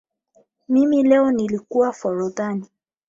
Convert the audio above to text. Mimi leo nlikua forodhani